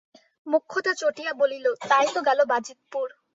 মোক্ষদা চটিয়া বলিল, তাই তো গেল বাজিতপুর!